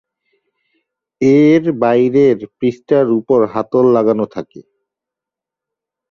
এর বাইরের পৃষ্ঠের উপর হাতল লাগানো থাকে।